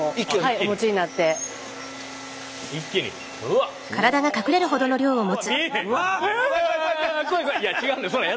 いや違うねん。